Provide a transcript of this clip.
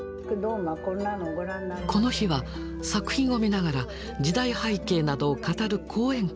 この日は作品を見ながら時代背景などを語る講演会。